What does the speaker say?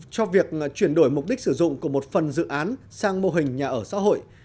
cho việc chuyển đổi mục đích sử dụng của một phần dự án sang mô hình nhà ở xã hội